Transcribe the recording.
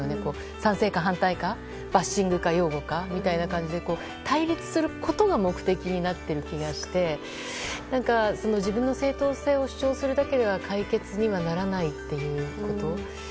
賛成か反対かバッシングか擁護かみたいな感じで対立することが目的になっている気がして自分の正当性を主張するだけでは解決にならないということ。